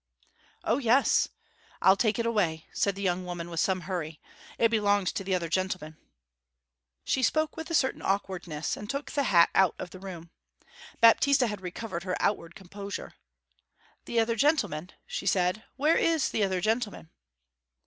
'O yes, I'll take it away,' said the young woman with some hurry 'It belongs to the other gentleman.' She spoke with a certain awkwardness, and took the hat out of the room. Baptista had recovered her outward composure. 'The other gentleman?' she said. 'Where is the other gentleman?'